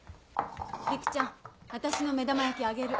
陸ちゃん私の目玉焼きあげる。